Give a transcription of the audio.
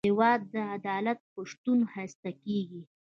هېواد د عدالت په شتون ښایسته کېږي.